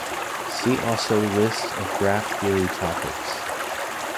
See also List of graph theory topics.